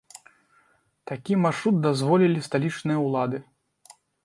Такі маршрут дазволілі сталічныя ўлады.